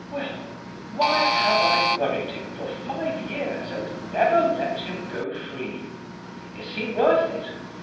"Well, why have I worried him, for five years, and never let him go free? Is he worth it?